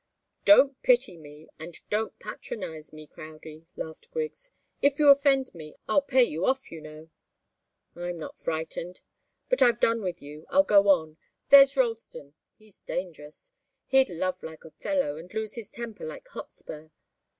"Don't pity me, and don't patronize me, Crowdie!" laughed Griggs. "If you offend me, I'll pay you off, you know." "I'm not frightened but I've done with you. I'll go on. There's Ralston he's dangerous. He'd love like Othello, and lose his temper like Hotspur.